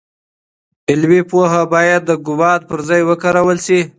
علمي پوهه باید د ګومان پر ځای وکارول سي.